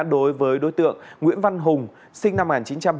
đối với đối tượng nguyễn văn hùng sinh năm một nghìn chín trăm bảy mươi một